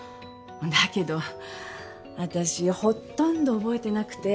だけど私ほとんど覚えてなくて。